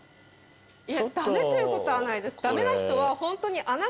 いや駄目ということはないです。